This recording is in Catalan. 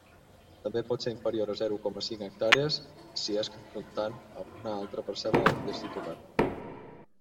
També pot ser inferior a zero coma cinc hectàrees si és confrontant a una altra parcel·la del mateix titular.